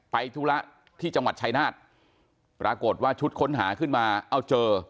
ธุระที่จังหวัดชายนาฏปรากฏว่าชุดค้นหาขึ้นมาเอาเจอ